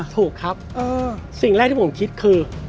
ถูกครับสิ่งแรกที่ผมคิดคือ